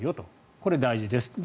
これ、大事です。